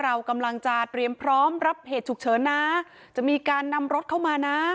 เรากำลังจะเตรียมพร้อมรับเหตุฉุกเฉินนะจะมีการนำรถเข้ามานะ